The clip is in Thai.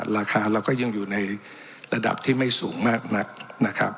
ราคาเราก็ยังอยู่ในระดับที่ไม่สูงมากนักนะครับ